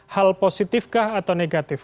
hal positif kah atau negatif